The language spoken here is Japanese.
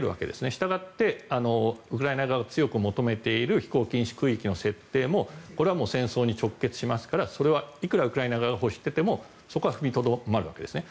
したがってウクライナ側が強く求めている飛行禁止空域の設定もこれは戦争に直結しますからそれは、いくらウクライナ側が欲していてもそこは踏みとどまるわけですね。